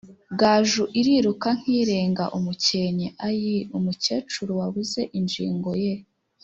Gaju iriruka nkirenga-Umukenke. Ayiii !!!!-Umukecuru wabuze injigo ye.